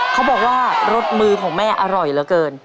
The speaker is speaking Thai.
เขาบอกว่ารสมือของแม่อร่อยเหลือเกิน